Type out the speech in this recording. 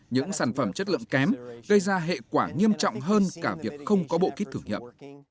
những sản phẩm chất lượng kém gây ra hệ quả nghiêm trọng hơn cả việc không có bộ kít thử nghiệm